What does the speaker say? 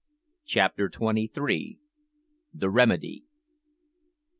CHAPTER TWENTY THREE. THE REMEDY.